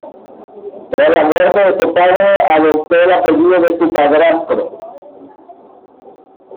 Tras la muerte de su padre, adoptó el apellido de su padrastro.